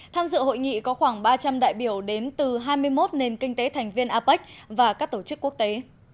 tham dự hội nghị có khoảng ba trăm linh đại biểu đến từ hai mươi một nền kinh tế thành viên apec và các tổ chức quốc tế